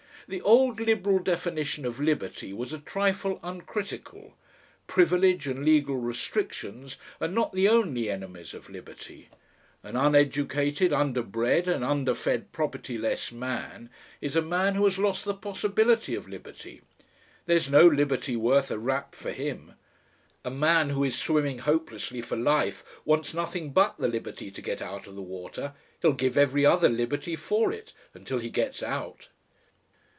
"The old Liberal definition of liberty was a trifle uncritical. Privilege and legal restrictions are not the only enemies of liberty. An uneducated, underbred, and underfed propertyless man is a man who has lost the possibility of liberty. There's no liberty worth a rap for him. A man who is swimming hopelessly for life wants nothing but the liberty to get out of the water; he'll give every other liberty for it until he gets out."